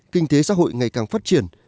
kinh tế xã hội ngày càng phát triển